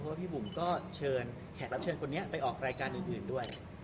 เพราะว่าพี่บุ๋มก็เชิญแขกรับเชิญคนนี้ไปออกรายการอื่นด้วย